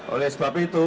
oleh sebab itu